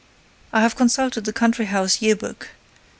I have consulted the Country house Year book.